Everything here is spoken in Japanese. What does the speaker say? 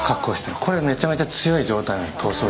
これ、めちゃめちゃ強い状態なの。